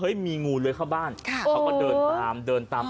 เฮ้ยมีงูเลยเข้าบ้านค่ะเขาก็เดินตามเดินตาม